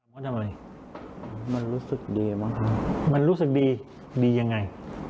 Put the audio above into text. มันรู้สึกดีมั้งมันรู้สึกดีดียังไง